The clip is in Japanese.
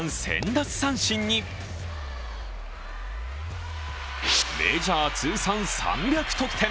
奪三振に、メジャー通算３００得点。